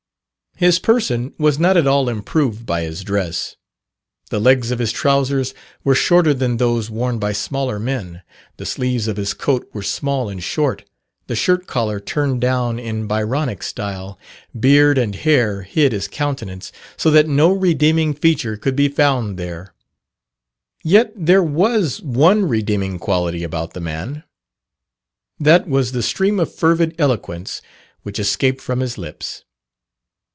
His person was not at all improved by his dress. The legs of his trousers were shorter than those worn by smaller men: the sleeves of his coat were small and short, the shirt collar turned down in Byronic style, beard and hair hid his countenance, so that no redeeming feature could be found there; yet there was one redeeming quality about the man that was the stream of fervid eloquence which escaped from his lips.